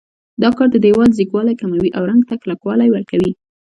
دا کار د دېوال ځیږوالی کموي او رنګ ته کلکوالی ورکوي.